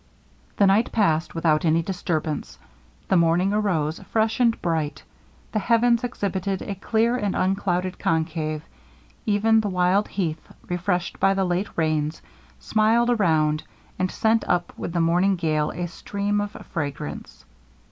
The night passed without any disturbance. The morning arose fresh and bright; the Heavens exhibited a clear and unclouded concave; even the wild heath, refreshed by the late rains, smiled around, and sent up with the morning gale a stream of fragrance.